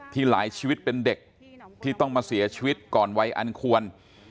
หลายชีวิตเป็นเด็กที่ต้องมาเสียชีวิตก่อนวัยอันควร